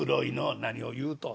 「何を言うとん。